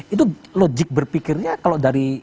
itu logik berpikirnya kalau dari